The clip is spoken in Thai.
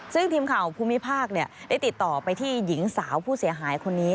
ซึ่งทีมข่าวภูมิภาคได้ติดต่อไปที่หญิงสาวผู้เสียหายคนนี้